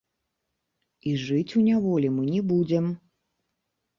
І жыць у няволі мы не будзем!